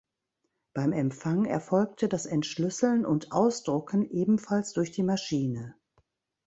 Beim Empfang erfolgte das Entschlüsseln und Ausdrucken ebenfalls durch die Maschine.